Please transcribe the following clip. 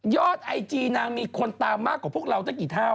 ไอจีนางมีคนตามมากกว่าพวกเราตั้งกี่เท่า